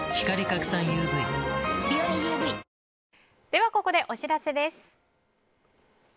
では、ここでお知らせです。